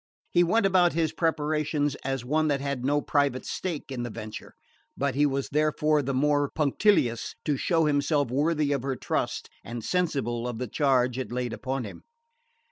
He went about his preparations as one that had no private stake in the venture; but he was therefore the more punctilious to show himself worthy of her trust and sensible of the charge it laid upon him.